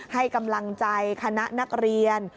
ให้กำลังใจคณะนักเรียน